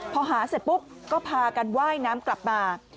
พอหาเสร็จปุ๊บก็พากันว่ายน้ำกลับมา